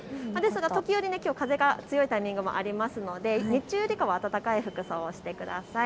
時折、風が強いタイミングもありますので日中よりかは暖かい服装をしてください。